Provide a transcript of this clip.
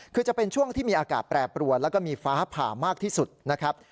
คือจะเป็นช่วงที่มีอากาศแปรปรวนแล้วก็มีฟ้าผ่ามากที่สุดนะครับ